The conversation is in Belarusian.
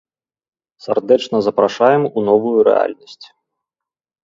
Сардэчна запрашаем у новую рэальнасць.